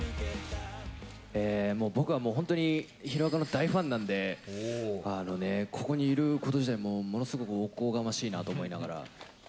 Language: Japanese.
もう、僕はもう本当に、ヒロアカの大ファンなんで、ここにいること自体、もうものすごくおこがましいなと思いながら。